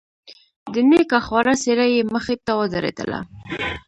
د نيکه خواره څېره يې مخې ته ودرېدله.